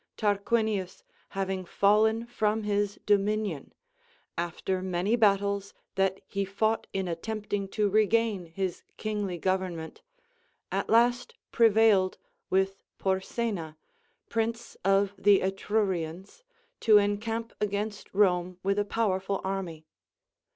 Tarquinius having fallen from his do minion, after many battles that he fought in attempting to regain his kingly government, at last prevailed Avith Por sena, prince of the Etrurians, to encamp against Rome with a powerful army.